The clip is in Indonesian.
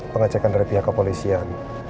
pengecekan dari pihak kepolisian